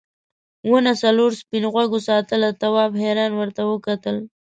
ونه څلورو سپین غوږو ساتله تواب حیران ورته وکتل.